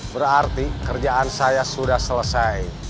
berarti kerjaan saya sudah selesai